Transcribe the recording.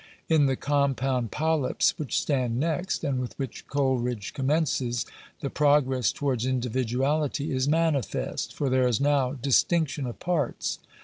In the compound polyps which stand next, and with which Coleridge commences, the progress towards individuality is manifest; for there is now distinction of parts.